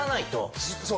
そう！